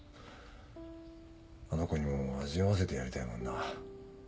あの子にも味わわせてやりたいもんな。